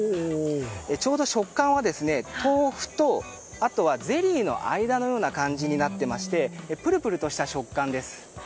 ちょうど食感は豆腐とゼリーの間のような感じになっていましてプルプルとした食感です。